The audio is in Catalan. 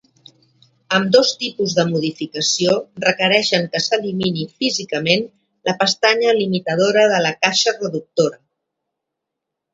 Ambdós tipus de modificació requereixen que s'elimini físicament la pestanya limitadora de la caixa reductora.